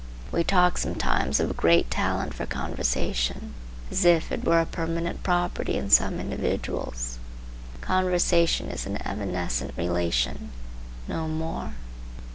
We talk sometimes of a great talent for conversation, as if it were a permanent property in some individuals. Conversation is an evanescent relation,—no more.